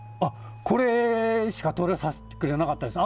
これしか撮らさせてくれなかったです。